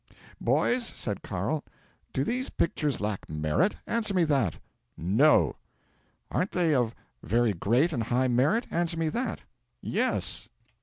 '"Boys," said Carl, "do these pictures lack merit? Answer me that." '"No!" '"Aren't they of very great and high merit? Answer me that." '"Yes."